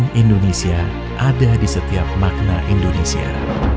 bahwa indonesia ada di setiap makna indonesia